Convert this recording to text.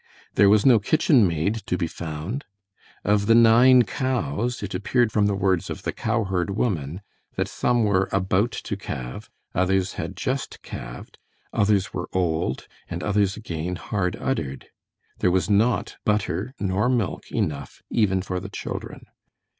There was no kitchen maid to be found; of the nine cows, it appeared from the words of the cowherd woman that some were about to calve, others had just calved, others were old, and others again hard uddered; there was not butter nor milk enough even for the children.